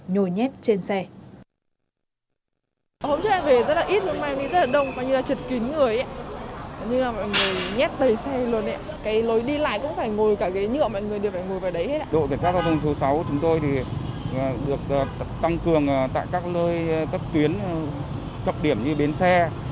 đội cảnh sát giao thông số sáu của chúng tôi được tăng cường tại các lối các tuyến chọc điểm như bến xe